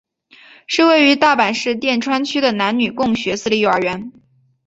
是位于大阪市淀川区的男女共学私立幼儿园。